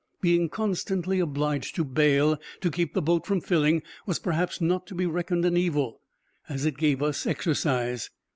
Being constantly obliged to bail, to keep the boat from filling, was perhaps not to be reckoned an evil, as it gave us exercise.